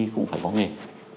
cũng phải có nghề